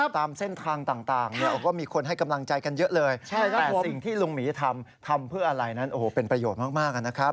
แต่สิ่งที่ลุงหมีทำทำเพื่ออะไรนั้นโอ้โฮเป็นประโยชน์มากนะครับ